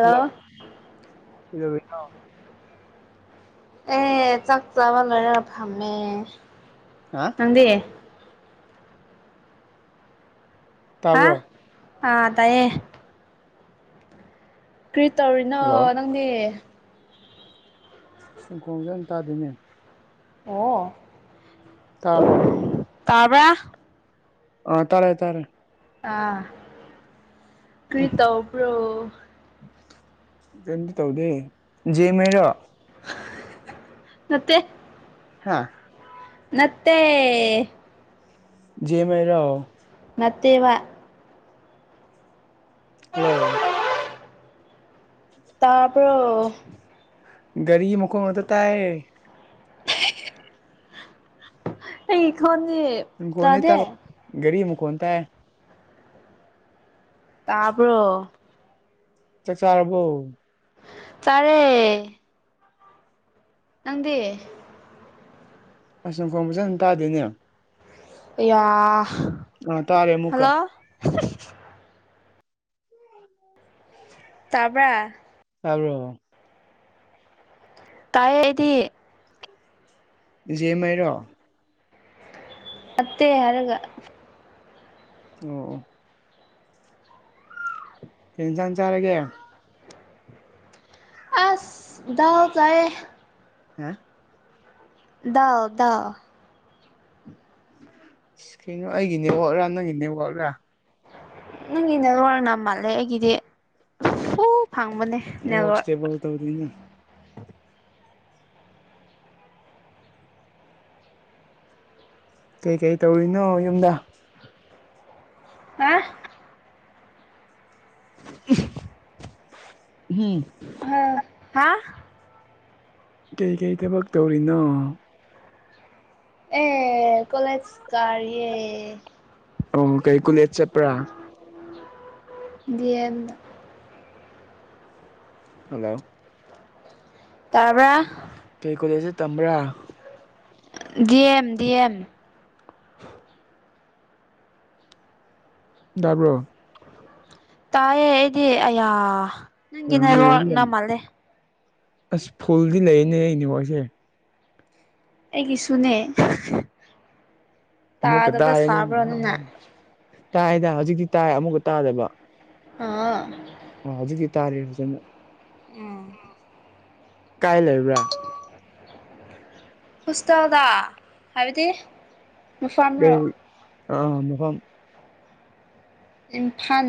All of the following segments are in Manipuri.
ꯍꯥꯜꯂꯣ ꯀꯩꯗꯧꯔꯤꯅꯣ ꯑꯦ ꯆꯥꯛ ꯆꯕ ꯂꯣꯢꯔꯒ ꯐꯥꯝꯃꯦ ꯍꯥ ꯅꯪꯗꯤ ꯍꯥ ꯇꯥꯕ꯭ꯔꯣ ꯇꯥꯢꯌꯦ ꯀꯔꯤ ꯇꯧꯔꯤꯅꯣ ꯅꯈꯣꯟꯖꯦ ꯅꯪꯗꯤ ꯅꯪ ꯈꯣꯟꯖꯦꯜ ꯇꯥꯗꯦꯅꯦ ꯑꯣ ꯇꯥꯔꯕꯣ ꯇꯥꯕꯔꯥ ꯑꯥ ꯇꯥꯔꯦ ꯇꯥꯔꯦ ꯑꯥ ꯀ꯭ꯔꯤ ꯇꯧꯕ꯭ꯔꯣ ꯀꯝꯇ ꯇꯧꯗꯦ ꯃꯔꯣ [inaudible] ꯅꯠꯇꯦ ꯍꯥꯥ ꯅꯠꯇꯦ ꯦ [inaudible] ꯃꯔꯣ ꯅꯠꯇꯦꯕ ꯍꯜꯂꯣ ꯇꯥꯕ꯭ꯔꯣ ꯒꯔꯤ ꯃꯈꯣꯜ ꯉꯥꯛꯇ ꯇꯥꯏ ꯍ [inaudible] ꯑꯩ ꯈꯣꯟꯅꯤ ꯅꯪ ꯈꯣꯟꯗꯤ ꯇꯥꯢ ꯒꯔꯤ ꯃꯈꯣꯟ ꯇꯥꯢ ꯇꯥꯕ꯭ꯔꯣ ꯆꯥꯛ ꯆꯥꯔꯕꯣ ꯆꯥꯔꯦ ꯅꯪꯗꯤ ꯑꯁ ꯅꯪ ꯈꯣꯟ ꯐꯖꯥꯟꯅ ꯇꯥꯗꯦꯅꯦ ꯇꯥꯗꯦꯅꯦ ꯑꯌꯥ ꯑꯥ ꯇꯥꯔꯦ ꯑꯃꯨꯛꯀ ꯍꯜꯂꯣ ꯇꯥꯕ꯭ꯔꯥ ꯇꯥꯕ꯭ꯔꯣ ꯇꯥꯏꯌꯦ ꯑꯩꯗꯤ ꯖꯦꯃꯥꯏꯔꯣ [inaudible] ꯅꯠꯇꯦ ꯍꯥꯏꯔꯒ ꯑꯣ ꯑꯣ ꯀꯩ ꯌꯦꯟꯁꯥꯡ ꯆꯥꯔꯒꯦ ꯑꯁ ꯗꯥꯜ ꯆꯥꯢꯌꯦ ꯍꯥ ꯗꯥꯜ ꯗꯥꯜ ꯑꯁ ꯀꯩꯅꯣ ꯑꯩꯒꯤ ꯅꯦꯠꯋꯥꯛꯂꯥ ꯅꯪꯒꯤ ꯅꯦꯠꯋꯥꯛꯔꯥ ꯅꯪꯒꯤ ꯅꯦꯠꯋꯥꯛꯅ ꯃꯥꯜꯂꯦ ꯑꯩꯒꯤꯗꯤ ꯐꯨꯜ ꯐꯪꯕꯅꯦ ꯅꯦꯠꯋꯥꯛ ꯕꯣ ꯇꯧꯗ [inaudible] ꯀꯩꯀꯩ ꯇꯧꯔꯤꯅꯣ ꯌꯨꯝꯗ ꯍꯥ ꯎꯝ [inaudible] ꯍ ꯍꯥ ꯀꯩꯀꯩ ꯊꯕꯛ ꯇꯧꯔꯤꯅꯣ [unintelligible] ꯀꯣꯂꯦꯖ ꯀꯥꯔꯤꯌꯦ ꯑꯣ ꯀꯩ ꯀꯨꯂꯦꯖ ꯆꯠꯄ꯭ꯔꯥ ꯗꯤ ꯌꯦꯝ ꯗ ꯍꯜꯂꯣ ꯇꯥꯕ꯭ꯔꯥ ꯀꯩ ꯀꯣꯂꯦꯁꯗ ꯇꯝꯕ꯭ꯔꯥ ꯗꯤꯑꯦꯝ ꯗꯤꯑꯦꯝ [inaudible] ꯗꯥꯕ꯭ꯔꯣ ꯇꯥꯏꯌꯦ ꯑꯩꯗꯤ ꯑꯌꯥ ꯑ ꯅꯪꯒꯤ ꯅꯦꯠꯋꯥꯛꯁꯦ ꯅꯦꯠꯋꯥꯔꯛꯅ ꯌꯥꯝ ꯃꯥꯜꯂꯦ ꯑꯁ ꯐꯨꯜꯗꯤ ꯂꯩꯅꯦ ꯑꯩ ꯅꯦꯋꯥꯛꯁꯦ ꯑꯩꯒꯤꯁꯨꯅꯦ ꯑꯃꯨꯛꯀ ꯇꯥꯗꯕ ꯇꯥꯔꯦ ꯁꯥꯕ꯭ꯔ ꯅꯪꯅ ꯅꯪ ꯇꯥꯏꯗ ꯍꯧꯖꯤꯛꯇꯤ ꯇꯥꯏ ꯑꯃꯨꯛꯀ ꯇꯥꯗꯕ ꯑꯥ ꯑꯣ ꯍꯧꯖꯤꯛꯀꯤ ꯇꯥꯔꯦ ꯐꯖꯅ ꯎꯝ ꯀꯥꯏ ꯂꯩꯕ꯭ꯔꯥ ꯍꯣꯁꯇꯦꯜꯗ ꯍꯥꯏꯕꯗꯤ ꯀꯩ ꯃꯐꯝꯔꯣ ꯑ ꯃꯐꯝ ꯏꯝꯐꯥꯜ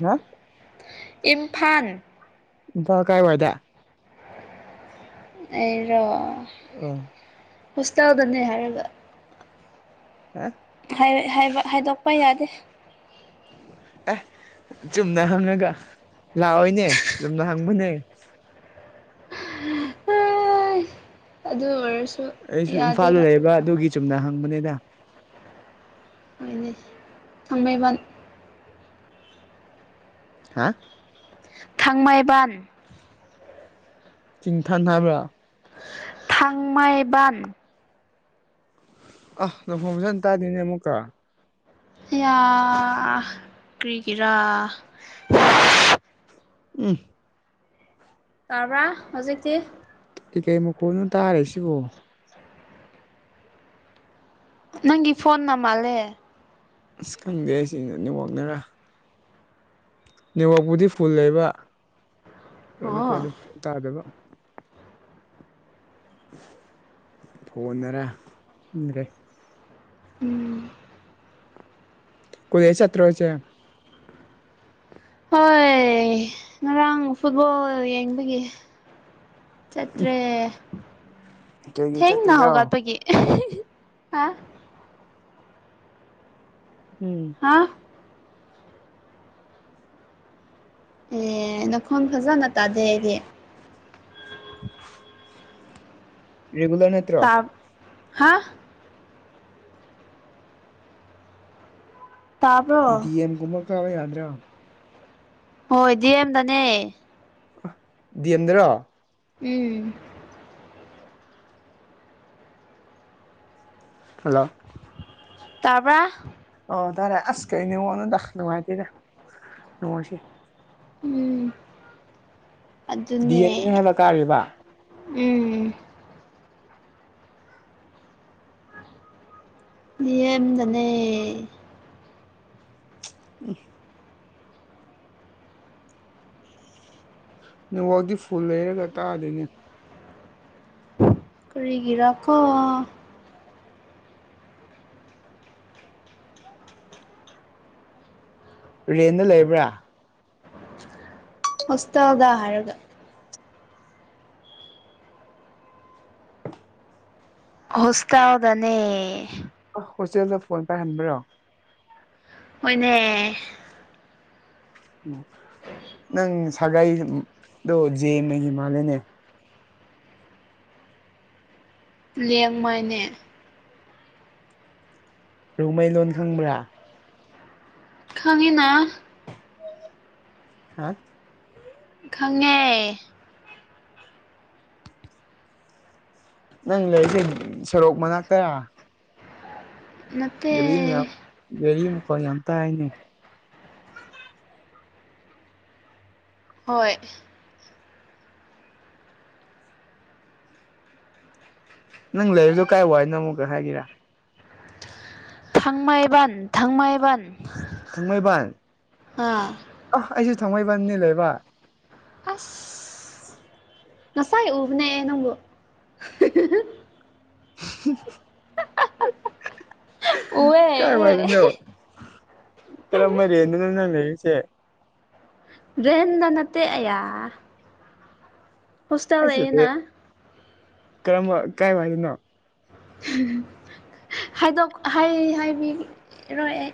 ꯅꯥ ꯏꯝꯐꯥꯜ ꯏꯝꯐꯥꯜ ꯀꯥꯏ ꯋꯥꯏꯗ ꯑꯩꯔꯣ ꯎꯝ ꯍꯣꯁꯇꯦꯜꯗꯅꯦ ꯍꯥꯏꯔꯒ ꯍꯥ ꯍꯥꯏ ꯍꯥꯏꯕ ꯍꯥꯏꯗꯣꯛꯄ ꯌꯥꯗꯦ ꯑꯦ ꯆꯨꯝꯅ ꯍꯪꯉꯒ ꯂꯥꯛꯑꯣꯏꯅꯦ ꯆꯨꯝꯅ ꯍꯪꯕꯅꯦ [unintelligible] ꯑꯗꯨ ꯑꯣꯏꯔꯁꯨ ꯑꯩꯁꯨ ꯏꯝꯐꯥꯜꯗ ꯌꯥꯗꯦꯕ ꯂꯩꯕ ꯑꯗꯨꯒꯤ ꯆꯨꯝꯅ ꯍꯪꯕꯅꯦꯗ ꯍꯣꯏꯅꯤ ꯊꯥꯡꯃꯩꯕꯟ ꯍꯥ ꯊꯥꯡꯃꯩꯕꯟ ꯆꯤꯡꯊꯟ ꯍꯥꯏꯕ꯭ꯔꯥ ꯊꯥꯡꯃꯩꯕꯥꯟ ꯑꯥ ꯅꯈꯣꯟ ꯐꯖꯟ ꯇꯥꯗꯦꯅꯦ ꯑꯃꯨꯛꯀ ꯍꯌꯥ ꯀ꯭ꯔꯤꯒꯤꯔꯥ ꯎꯝ ꯇꯥꯕ꯭ꯔꯥ ꯍꯧꯖꯤꯛꯇꯤ ꯀꯩꯀꯩ ꯃꯈꯣꯟꯅꯣ ꯇꯥꯔꯤꯁꯤꯕꯨ ꯅꯪꯒꯤ ꯐꯣꯟ ꯅ ꯃꯥꯜꯂꯦ ꯑꯁ ꯈꯪꯗꯦ ꯁꯤ ꯅꯦꯠꯋꯥꯛꯅꯔꯥ ꯅꯦꯠꯋꯥꯛꯄꯨꯗꯤ ꯐꯨꯜ ꯂꯩꯕ ꯈꯣꯟꯅ ꯀꯣꯟꯅ ꯑꯣ ꯇꯥꯗꯕ ꯐꯣꯟꯅꯔ ꯈꯪꯗ꯭ꯔꯦ ꯎꯝ ꯀꯣꯂꯦꯖ ꯆꯠꯇ꯭ꯔꯣ ꯍꯖꯤꯛ ꯍꯣꯏ ꯉꯔꯥꯡ ꯐꯨꯠꯕꯣꯜ ꯌꯦꯡꯕꯒꯤ ꯆꯠꯇ꯭ꯔꯦ ꯀꯩꯒꯤ ꯊꯦꯡꯅ ꯆꯠꯇ꯭ꯔꯤꯔꯣ ꯍꯧꯒꯠꯄꯒꯤ [inaudible] ꯍꯥ ꯎꯝ ꯍꯥꯥ ꯑꯦ ꯅꯈꯣꯟ ꯐꯖꯅ ꯇꯥꯗꯦ ꯑꯩꯗꯤ ꯔꯦꯒꯨꯂꯔ ꯅꯠ ꯇꯥ ꯍꯥ ꯇꯥꯕ꯭ꯔꯣ ꯗꯤꯑꯦꯝꯒꯨꯝꯕ ꯀꯥꯕ ꯌꯥꯗ꯭ꯔꯥ ꯍꯣꯏ ꯗꯤꯑꯦꯝꯗꯅꯦ ꯗꯤꯑꯦꯝꯗꯔꯣ ꯎꯝ ꯍꯜꯂꯣ ꯇꯥꯕ꯭ꯔꯥ ꯑꯣ ꯇꯔꯦ ꯑꯁ ꯀꯩ ꯅꯦꯠꯋꯥꯛ ꯅꯣꯗ ꯅꯨꯡꯉꯥꯏꯇꯦꯗ ꯅꯨꯡꯉꯣꯏꯁꯤ ꯎꯝ ꯗꯤ ꯑꯗꯨꯅꯦ ꯑꯦꯝꯅꯦ ꯍꯥꯏꯕ ꯀꯥꯔꯤꯕ ꯎꯝ ꯗꯤꯌꯦꯝꯗꯅ [unintelligible] ꯅꯦꯠꯋꯥꯥꯛꯇꯤ ꯐꯨꯜ ꯂꯩꯔꯒ ꯇꯥꯗꯦꯅꯦ ꯀꯔꯤꯒꯤꯔꯀꯣ ꯔꯦꯟꯗ ꯂꯩꯕ꯭ꯔꯥ ꯍꯣꯁꯇꯦꯜꯗ ꯍꯥꯏꯔꯒ ꯍꯣꯁꯇꯦꯜꯗꯅꯦ ꯑꯣ ꯍꯣꯁꯇꯦꯜꯗ ꯐꯣꯟ ꯄꯥꯏꯍꯟꯕ꯭ꯔꯣ ꯍꯣꯏꯅꯦ ꯅꯪ ꯁꯒꯩꯏꯗꯣ ꯖꯦꯃꯍꯤꯃꯥꯂꯦꯅꯦ ꯂꯦꯡꯃꯅꯦ ꯔꯣꯡꯃꯩ ꯂꯣꯟ ꯈꯪꯕ꯭ꯔꯥ ꯈꯪꯢꯅ ꯍꯥ ꯈꯪꯉꯦ ꯅꯪ ꯂꯩꯔꯤꯁꯦ ꯁꯣꯔꯣꯛ ꯃꯅꯥꯛꯇꯥꯔꯥ ꯅꯠꯇꯦ ꯒꯔꯤ ꯃꯌꯥꯝ ꯒꯔꯤ ꯃꯈꯣꯟ ꯌꯥꯝ ꯇꯥꯢꯑꯦꯅꯦ ꯍꯣꯏ ꯅꯪ ꯂꯩꯔꯤꯗꯨꯣ ꯀꯥꯏ ꯋꯥꯏ ꯅꯣ ꯑꯃꯨꯛꯀ ꯍꯥꯏꯒꯦꯔꯥ ꯊꯥꯡꯃꯩꯕꯟ ꯊꯥꯡꯃꯩꯕꯟ ꯊꯥꯡꯃꯩꯕꯟ ꯑꯥ ꯑꯣ ꯑꯩꯁꯨ ꯊꯥꯡꯃꯩꯕꯟꯅꯤ ꯂꯩꯕ ꯑꯁ ꯉꯁꯥꯏ ꯎꯕꯅꯦ ꯑꯩ ꯅꯪꯕꯨ ꯎꯋꯦ [inaudible] ꯀꯥꯏ ꯋꯥꯢꯗꯅꯣ ꯀꯔꯝꯕ ꯔꯦꯟꯗꯅꯣ ꯅꯪ ꯂꯩꯔꯤꯁꯦ ꯔꯦꯟꯗ ꯅꯠꯇꯦ ꯑꯌꯥ ꯍꯣꯁꯇꯦꯜ ꯂꯩꯌꯦꯅ ꯀꯔꯝꯕ ꯀꯥꯏ ꯋꯥꯢꯗꯅꯣ ꯍꯥꯏꯗꯣꯛ ꯍꯩ ꯍꯥꯏꯕꯤꯔꯣꯏ ꯑꯩ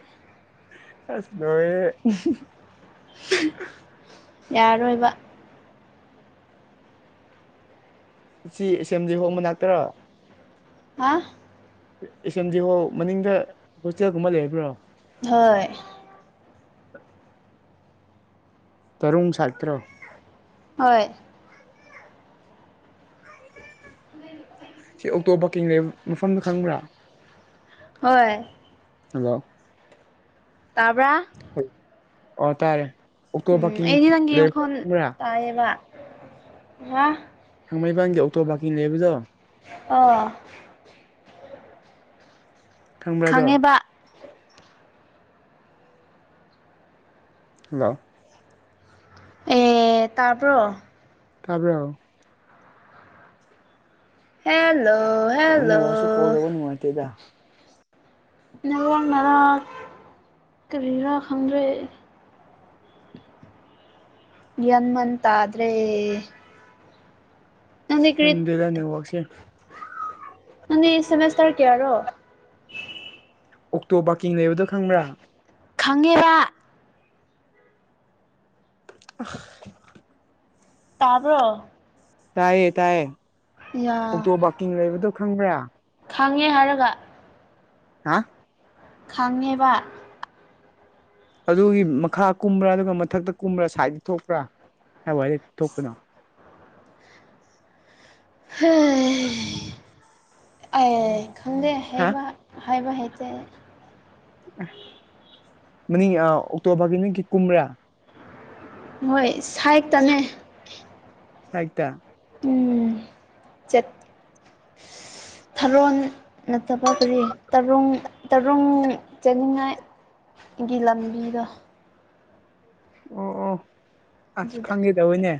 ꯑꯁ ꯂꯣꯢꯔꯦꯍꯦ ꯌꯥꯔꯣꯏꯕ ꯁꯤ ꯑꯦ ꯁꯦꯝꯕ꯭ꯂꯤ ꯍꯣꯜ ꯍꯣꯜ ꯃꯅꯥꯛꯇꯔꯥ ꯍꯥ ꯑꯦꯁꯑꯦꯝꯕ꯭ꯂꯤ ꯍꯣꯜ ꯃꯅꯤꯡꯗ ꯍꯣꯁꯇꯦꯜꯒꯨꯝꯕ ꯂꯩꯕ꯭ꯔꯣ ꯍꯣꯏ ꯀꯔꯨꯡ ꯁꯥꯢꯠꯇꯔꯣ ꯍꯣꯏ ꯁꯤ ꯑꯣꯛꯇꯣ ꯄꯥꯀꯤꯡ ꯂꯩꯕ ꯃꯐꯝꯗꯨ ꯈꯪꯕ꯭ꯔꯥ ꯍꯣꯏ ꯍꯜꯂꯣ ꯇꯥꯕꯔꯥ ꯑꯣ ꯇꯥꯔꯦ ꯑꯣꯛꯇꯣ ꯎꯝ ꯄꯥꯔꯀꯤꯡ ꯑꯩꯗꯤ ꯅꯪꯒꯤ ꯂꯩꯕ ꯃꯈꯣꯟ ꯈꯪꯕ꯭ꯔꯥ ꯇꯥꯏꯌꯦꯕ ꯍꯥ ꯊꯥꯡꯃꯩꯕꯟꯒꯤ ꯑꯣꯇꯣ ꯄꯥꯔꯀꯤꯡ ꯂꯩꯕꯗꯣ ꯑꯥ ꯈꯪꯕꯔꯥ ꯑꯗꯣ ꯈꯪꯉꯦꯕ ꯍꯜꯂꯣ ꯑꯦ ꯇꯥꯕꯔꯣ ꯇꯥꯕꯔꯣ ꯍꯦꯜꯂꯣ ꯍꯦꯜꯂꯣ ꯅꯦꯠꯋꯥꯔꯛꯁꯦ ꯀꯣꯜ ꯇꯧꯕ ꯅꯨꯡꯉꯥꯏꯇꯦꯗ ꯅꯦꯠꯋꯥꯔꯛꯅꯔꯥ ꯀꯥꯔꯤꯔꯥ ꯈꯪꯗ꯭ꯔꯦ ꯑꯩ ꯒꯌ꯭ꯥꯟ ꯃꯦꯟ ꯇꯥꯗ꯭ꯔꯦ ꯅꯪꯗꯤ ꯀꯔꯤ ꯈꯪꯗ꯭ꯔꯦꯗꯥ ꯅꯦꯠꯋꯥꯔꯛꯁꯦ ꯅꯪꯗꯤ ꯁꯦꯃꯦꯁ꯭ꯇꯔ ꯀꯌꯥꯅꯣ ꯑꯣꯛꯇꯣ ꯄꯥꯔꯀꯤꯡ ꯂꯩꯕꯗꯣ ꯈꯪꯕ꯭ꯔꯥ ꯈꯪꯉꯦꯕꯥ [inaudible] ꯇꯥꯕꯔꯣ ꯇꯥꯏꯌꯦ ꯇꯥꯏꯌꯦ ꯌꯥ ꯑꯣꯛꯇꯣ ꯄꯥꯔꯀꯤꯡ ꯂꯩꯕꯗꯣ ꯈꯪꯕ꯭ꯔꯥ ꯈꯪꯉꯦ ꯍꯥꯏꯔꯒ ꯍꯥ ꯈꯪꯉꯦꯕ ꯑꯗꯨꯒꯤ ꯃꯈꯥ ꯀꯨꯝꯕ꯭ꯔꯥ ꯑꯗꯨꯒ ꯃꯊꯛꯇ ꯀꯨꯝꯕ꯭ꯔꯥ ꯁꯥꯏꯗꯇ ꯊꯣꯛꯄ꯭ꯔꯥ ꯀꯥꯏꯋꯥꯏꯗ ꯊꯣꯛꯄꯅꯣ ꯑꯩ ꯈꯪꯗꯦ ꯍꯥ ꯍꯥꯏꯕ ꯍꯥꯏꯕ ꯍꯩꯇꯦ ꯃꯅꯤꯡ ꯑꯣꯛꯇꯣ ꯄꯥꯔꯀꯤꯡꯗꯒꯤ ꯀꯨꯝꯕ꯭ꯔꯥ ꯍꯣꯏ ꯁꯥꯏꯗꯇꯅꯦ ꯁꯥꯏꯗꯇ ꯎꯝ ꯆꯠ unintelligible ꯊꯥꯔꯣꯟ ꯅꯠꯇꯕ ꯀꯔꯤ ꯇꯥꯔꯨꯡ ꯇꯥꯔꯨꯡ ꯆꯠꯅꯤꯡꯉꯥꯏ ꯒꯤ ꯂꯝꯕꯤꯗꯣ ꯑꯣ ꯑꯣ ꯑꯁ ꯑꯗꯨꯗ ꯈꯪꯒꯦ ꯇꯧꯋꯦꯅꯦ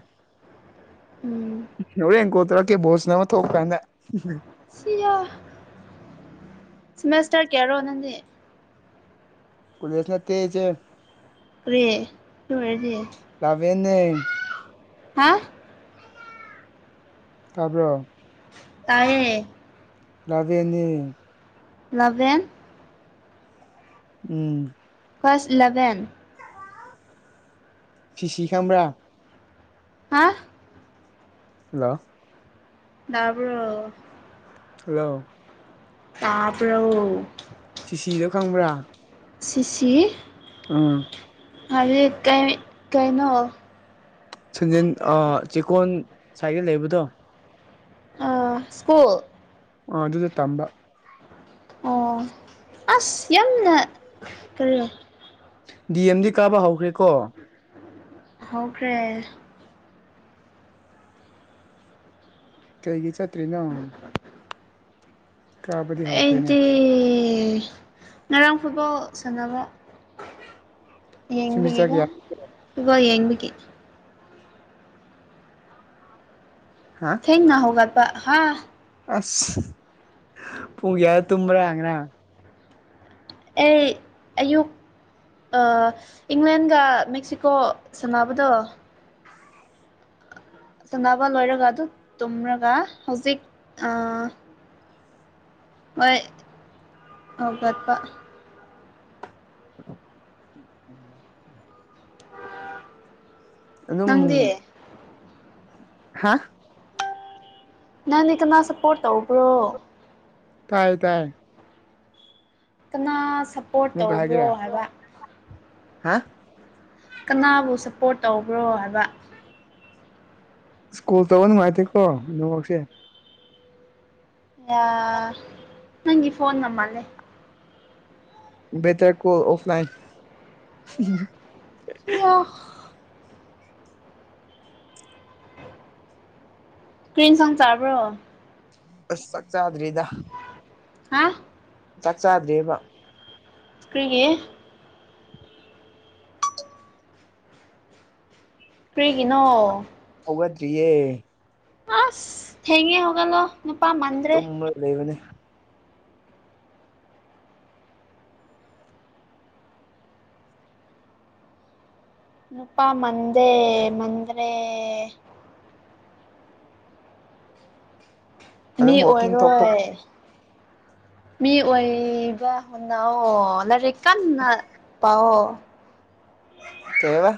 ꯎꯝ ꯍꯣꯔꯦꯟ ꯀꯣꯜꯇꯧꯔꯛ ꯀꯦ ꯕꯣꯜ ꯁꯥꯟꯅꯕ ꯊꯣꯛꯄꯀꯥꯟꯗ ꯁꯦꯃꯦꯁ꯭ꯇꯔ ꯀꯌꯥꯅꯣ ꯅꯪꯗꯤ ꯀꯣꯂꯦꯖ ꯅꯠꯇꯦ ꯏꯆꯦ ꯀꯔꯤ ꯑꯗꯨ ꯑꯣꯏꯔꯥꯗꯤ ꯏꯂꯦꯕꯦꯟ ꯅꯦ ꯍꯥ ꯇꯥꯕꯔꯣ ꯇꯥꯏꯌꯦ ꯏꯂꯦꯕꯦꯟ ꯅꯦ ꯏꯂꯦꯕꯦꯟ ꯎꯝ ꯀ꯭ꯂꯥꯁ ꯏꯂꯦꯕꯦꯟ ꯁꯤ ꯁꯤ ꯈꯪꯕ꯭ꯔꯥ ꯍꯥ ꯍꯂꯣ ꯇꯥꯕꯔꯣ꯫ ꯍꯜꯂꯣ꯫ ꯇꯥꯕ꯭ꯔꯣ꯫ ꯁꯤꯁꯤꯗꯣ ꯈꯪꯕ꯭ꯔꯥ꯫ ꯁꯤꯁꯤ__ ꯑꯥ꯫ [unintelligible] ꯀꯩ ꯀꯩꯅꯣ꯫ ꯁꯟꯖꯦꯟ ꯑꯥ ꯆꯦꯀꯣꯟ ꯁꯥꯏꯗ ꯂꯩꯕꯗꯣ꯫ ꯑꯥ ꯁ꯭ꯀꯨꯨꯜ__ ꯑꯥ ꯗꯨꯗ ꯇꯝꯕ꯫ ꯑꯥ ꯑꯁ ꯌꯥꯝꯅ ꯀꯔꯤꯔꯥ꯫ ꯗꯤ ꯑꯦꯝꯗꯤ ꯀꯥꯕ ꯍꯧꯈ꯭ꯔꯦꯀꯣ꯫ ꯍꯧꯈ꯭ꯔꯦ꯫ ꯀꯩꯒꯤ ꯆꯠꯇ꯭ꯔꯤꯅꯣ꯫ [inaudible] ꯀꯥꯕꯗꯤ ꯍꯧꯈ꯭ꯔꯦꯅꯦ ꯑꯩꯗꯤ ꯉꯔꯥꯡ ꯐꯨꯠꯕꯣꯜ ꯁꯥꯟꯅꯕ꯫ ꯌꯦꯡꯕꯒꯤꯀꯣ ꯁꯤꯃꯤꯁꯇꯔ ꯀꯌꯥ ꯐꯨꯕꯣꯜ ꯌꯦꯡꯕꯒꯤ꯫ ꯍꯥꯥ꯫ ꯏꯪꯅ ꯍꯧꯒꯠꯄ ꯍꯥ꯫ ꯑꯁ ꯄꯨꯡ ꯀꯌꯥ ꯇꯨꯝꯕ꯭ꯔꯥ ꯉꯔꯥꯡ ꯑꯩ ꯑꯌꯨꯛ__ ꯑꯥ ꯏꯪꯂꯦꯟꯒ ꯃꯦꯛꯁꯤꯀꯣ ꯁꯥꯟꯅꯕꯗꯣ__ ꯁꯥꯟꯅꯕ ꯂꯣꯏꯔꯒ ꯑꯗꯨ ꯇꯨꯝꯔꯒ ꯍꯧꯖꯤꯛ ꯑꯥ__ ꯍꯣꯏ ꯍꯩꯒꯠꯄ__ [inaudible] ꯑꯗꯨꯝ__ ꯅꯪꯗꯤ ꯍꯥ꯫ ꯅꯪꯗꯤ ꯀꯅꯥ ꯁꯞꯄꯣꯔꯠ ꯇꯧꯕ꯭ꯔꯣ꯫ ꯀꯥꯏ ꯇꯥꯏ ꯀꯅꯥ ꯁꯞ ꯃꯨꯛꯀ ꯍꯥꯏꯒꯦꯔꯥ ꯍꯥ꯫ ꯀꯅꯥꯕꯨ ꯁꯞꯄꯣꯔꯠ ꯇꯧꯕ꯭ꯔꯣ ꯍꯥꯏꯕ꯫ ꯀꯣꯜ ꯇꯧꯕ ꯅꯨꯡꯉꯥꯏꯇꯦꯀꯣ ꯅꯦꯋꯥꯛꯁꯦ꯫ ꯌꯥ ꯅꯪꯒꯤ ꯐꯣꯟ ꯅꯃꯜꯂꯦ꯫ ꯕꯦꯇꯔ ꯀꯣ ꯑꯣꯐꯂꯥꯏꯟ ꯍꯨꯝ ꯍꯨꯝ꯫ ꯄꯤꯌꯣ ꯀ꯭ꯔꯤ ꯏꯟꯁꯥꯡ ꯆꯥꯕ꯭ꯔꯣ꯫ ꯑꯁ ꯆꯥꯛ ꯆꯥꯗ꯭ꯔꯤꯗ꯫ ꯍꯥ꯫ ꯆꯥꯛ ꯆꯥꯗ꯭ꯔꯤꯕꯥ꯫ ꯀ꯭ꯔꯤꯒꯤ꯫ ꯀ꯭ꯔꯤꯒꯤꯅꯣ꯫ ꯍꯧꯒꯠꯇ꯭ꯔꯤꯌꯦ꯫ ꯑꯁ ꯊꯦꯡꯉꯦ ꯍꯧꯒꯠꯂꯣ꯫ ꯅꯨꯄꯥ ꯃꯥꯟꯗ꯭ꯔꯦ ꯇꯨꯃ ꯂꯩꯕꯅꯦ꯫ ꯅꯨꯄꯥ ꯃꯟꯗꯦ ꯅꯪꯗ꯭ꯔꯦ꯫ ꯃꯤ ꯑꯗꯨꯝ ꯋꯥꯛꯀꯤꯡ ꯊꯣꯛ ꯊꯣꯛ ꯑꯣꯏꯔꯣꯏ꯫ ꯃꯤ ꯑꯣꯏꯕ ꯍꯧꯅꯑꯣ ꯂꯥꯏꯔꯤꯛ ꯀꯟꯅ__ ꯄꯑꯣ꯫ ꯀꯩꯑꯕꯥ